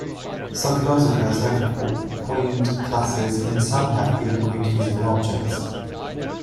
Some philosophers have quined classes, and some have even quined physical objects.